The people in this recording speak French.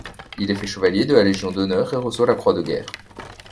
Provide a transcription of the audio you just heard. Il est fait chevalier de la Légion d'honneur et reçoit la croix de guerre.